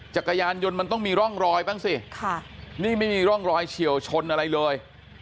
จักรยานยนต์มันต้องมีร่องรอยบ้างสิค่ะนี่ไม่มีร่องรอยเฉียวชนอะไรเลย